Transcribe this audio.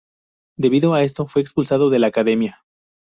Debido a esto fue expulsado de la academia.